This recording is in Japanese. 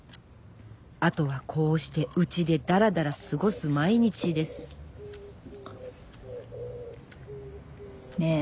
あとはこうしてうちでだらだら過ごす毎日ですねぇ。